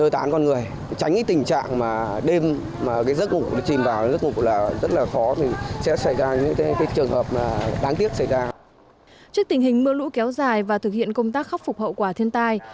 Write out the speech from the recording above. trước tình hình mưa lũ kéo dài và thực hiện công tác khắc phục hậu quả thiên tai